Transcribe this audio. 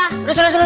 sudah sudah sudah